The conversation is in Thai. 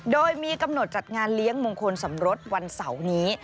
โดยมีกำหนดจัดงานเลี้ยงมงคลสมรสวันเสาร์นี้